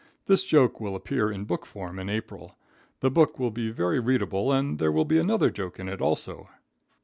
This joke will appear in book form in April. The book will be very readable, and there will be another joke in it also.